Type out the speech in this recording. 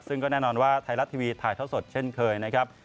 ซึ่งก็แน่นอนว่าไทยรัฐทีวีถ่ายท่อสดเช่นเคยนะครับ